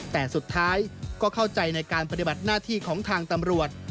แต่สุดท้ายก็เข้าใจในการปฏิบัติหน้าที่ของทางตำรวจ